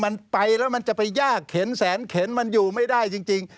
มันไปแล้วมันจะไปยากเข็นแสนเข็นมันอยู่ไม่ได้จริง